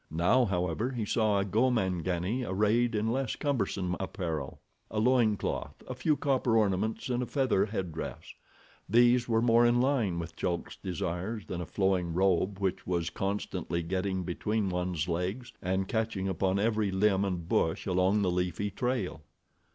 Now, however, he saw a Gomangani arrayed in less cumbersome apparel—a loin cloth, a few copper ornaments and a feather headdress. These were more in line with Chulk's desires than a flowing robe which was constantly getting between one's legs, and catching upon every limb and bush along the leafy trail.